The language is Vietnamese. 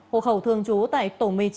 hộ khẩu thường trú tại tổ một mươi chín